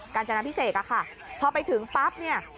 การจนาพิเศษอะค่ะพอไปถึงปั๊บเนี่ย